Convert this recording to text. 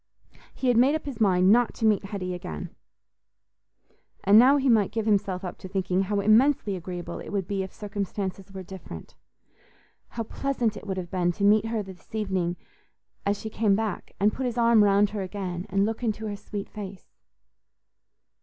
He had made up his mind not to meet Hetty again; and now he might give himself up to thinking how immensely agreeable it would be if circumstances were different—how pleasant it would have been to meet her this evening as she came back, and put his arm round her again and look into her sweet face.